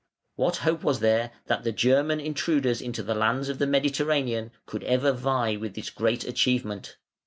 What hope was there that the German intruders into the lands of the Mediterranean could ever vie with this great achievement?